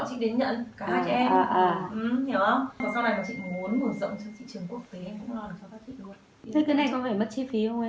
hai triệu rưỡi